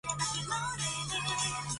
另一部分就是青羌族。